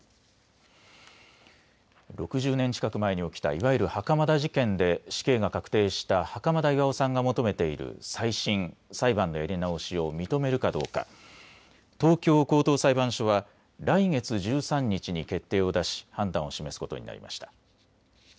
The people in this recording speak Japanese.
６０年近く前に起きたいわゆる袴田事件で死刑が確定した袴田巌さんが求めている再審・裁判のやり直しを認めるかどうか、東京高等裁判所は来月１３日に決定を出し判断を示すことになりました。